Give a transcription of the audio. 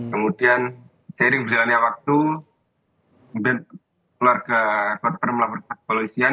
kemudian seiring berjalannya waktu kemudian keluarga korban melaporkan polisian